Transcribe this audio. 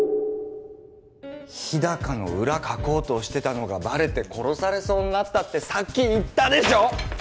日高の裏かこうとしてたのがバレて殺されそうになったってさっき言ったでしょ！